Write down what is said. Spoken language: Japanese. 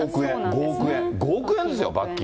５億円、５億円、５億円ですよ、罰金。